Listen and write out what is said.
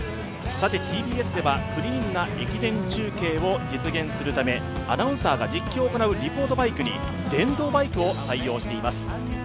ＴＢＳではクリーンな駅伝中継を実現するためアナウンサーが実況を行うリポートバイクに電動バイクを採用しています。